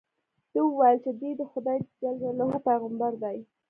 ده وویل چې دې د خدای جل جلاله پیغمبر دی.